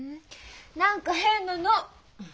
何か変なの！